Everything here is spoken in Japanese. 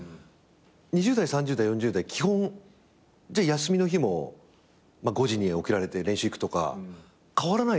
２０代３０代４０代基本休みの日も５時に起きられて練習行くとか変わらないですか？